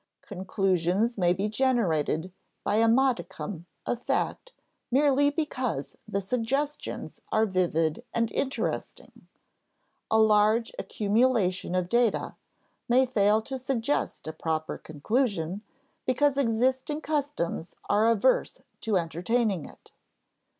Conclusions may be generated by a modicum of fact merely because the suggestions are vivid and interesting; a large accumulation of data may fail to suggest a proper conclusion because existing customs are averse to entertaining it.